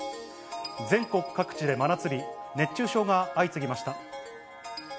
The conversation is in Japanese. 全国各地で真夏日、熱中症が相次ぎました。